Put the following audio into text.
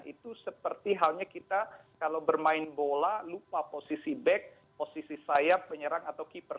itu seperti halnya kita kalau bermain bola lupa posisi back posisi sayap penyerang atau keeper